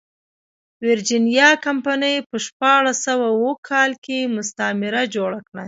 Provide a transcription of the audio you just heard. ویرجینیا کمپنۍ په شپاړس سوه اووه کال کې مستعمره جوړه کړه.